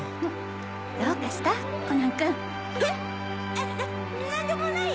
あ何でもないよ！